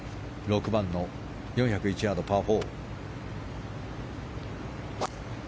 ６番、４０１ヤード、パー４。